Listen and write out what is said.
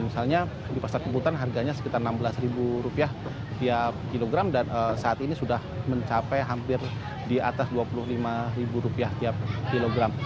misalnya di pasar keputan harganya sekitar rp enam belas tiap kilogram dan saat ini sudah mencapai hampir di atas rp dua puluh lima tiap kilogram